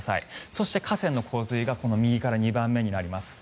そして、河川の洪水が右から２番目になります。